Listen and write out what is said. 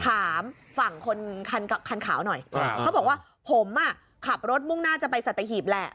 ถามฝั่งคนคันขาวหน่อยเขาบอกว่าผมอ่ะขับรถมุ่งหน้าจะไปสัตหีบแหละ